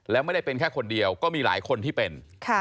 แล้วไม่ได้เป็นแค่คนเดียวก็มีหลายคนที่เป็น